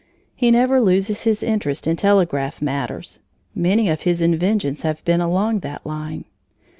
He never loses his interest in telegraph matters; many of his inventions have been along that line.